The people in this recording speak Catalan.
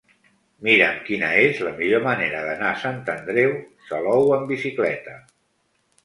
Mira'm quina és la millor manera d'anar a Sant Andreu Salou amb bicicleta.